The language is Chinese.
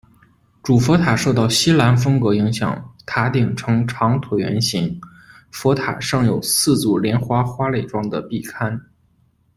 主佛塔受到锡兰风格影响，塔顶呈现长椭圆形，佛塔上有四组莲花花蕾状的壁龛。